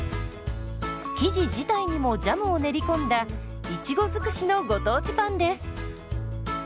生地自体にもジャムを練り込んだいちご尽くしのご当地パンです。